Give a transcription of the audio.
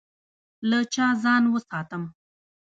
له چا ځان وساتم؟